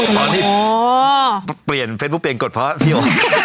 ตอนนี้เปลี่ยนเฟซบุ๊คเปลี่ยนกฎเพราะพี่โอ